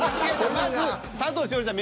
まず佐藤栞里ちゃん